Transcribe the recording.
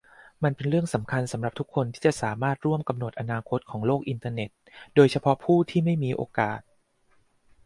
มันเป็นเรื่องสำคัญสำหรับทุกคนที่จะสามารถร่วมกำหนดอนาคตของโลกอินเทอร์เน็ต โดยเฉพาะผู้ที่ไม่มีโอกาส